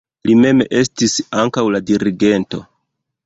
Li mem estis ankaŭ la dirigento.